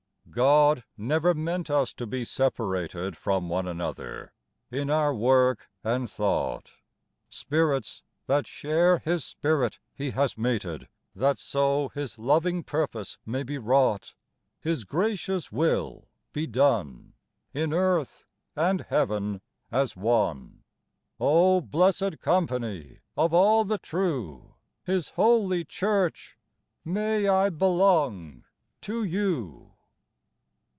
GOD never meant us to be separated From one another, in our work and thought j Spirits that share His Spirit He has mated, That so His loving purpose may be wrought, His gracious will be done In earth and heaven, as one : O blessed company of all the true, — His holy Church, — may I belong to you